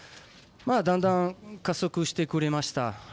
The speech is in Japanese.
だんだん加速してくれました。